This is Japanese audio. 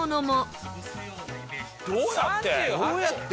どうやって？